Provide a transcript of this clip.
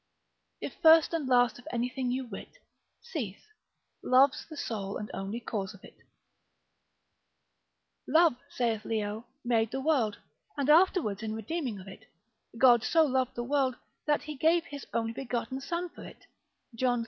If first and last of anything you wit, Cease; love's the sole and only cause of it. Love, saith Leo, made the world, and afterwards in redeeming of it, God so loved the world, that he gave his only begotten son for it, John iii.